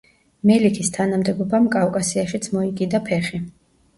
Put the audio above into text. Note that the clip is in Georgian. მელიქის თანამდებობამ კავკასიაშიც მოიკიდა ფეხი.